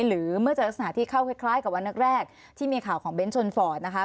หรือเมื่อเจอลักษณะที่เข้าคล้ายกับวันแรกที่มีข่าวของเน้นชนฟอร์ดนะคะ